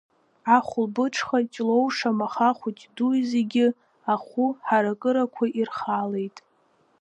Ахәылбыҽха Ҷлоу шамаха хәыҷи-дуи зегьы, ахәы ҳаракырақәа ирхалеит.